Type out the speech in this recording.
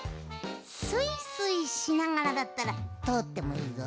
スイスイしながらだったらとおってもいいぞ。